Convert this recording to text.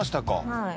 はい。